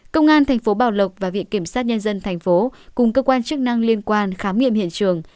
công an tp bảo lộc và viện kiểm sát nhân dân tp cùng cơ quan chức năng liên quan khám nghiệm hiện trường